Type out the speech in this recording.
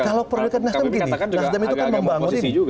kalau periode nasdem gini nasdem itu kan membangun ini